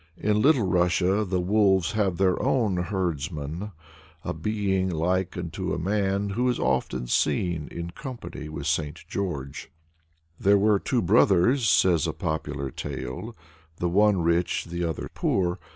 In Little Russia the wolves have their own herdsman a being like unto a man, who is often seen in company with St. George. There were two brothers (says a popular tale), the one rich, the other poor.